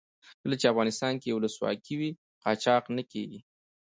کله چې افغانستان کې ولسواکي وي قاچاق نه کیږي.